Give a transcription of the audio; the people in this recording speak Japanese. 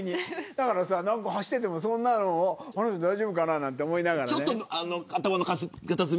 だから走っててもあの人、大丈夫かななんて思いながら。